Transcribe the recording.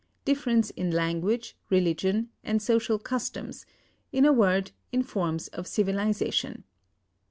Difference in language, religion, and social customs—in a word, in forms of civilization."